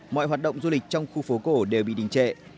mọi hoạt động du lịch trong khu phố cổ đều bị đình trệ